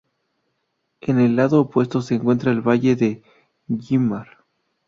En el lado opuesto se encuentra el Valle de Güímar.